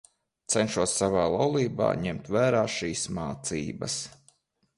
Cenšos savā laulībā ņemt vērā šīs mācības.